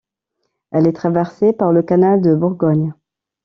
Elle est traversée par le Canal de Bourgogne.